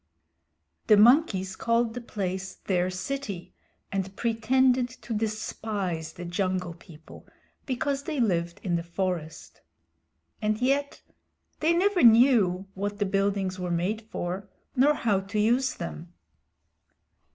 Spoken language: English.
The monkeys called the place their city, and pretended to despise the Jungle People because they lived in the forest. And yet they never knew what the buildings were made for nor how to use them.